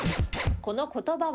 この言葉は？